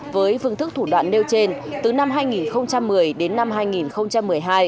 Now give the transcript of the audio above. với phương thức thủ đoạn nêu trên từ năm hai nghìn một mươi đến năm hai nghìn một mươi hai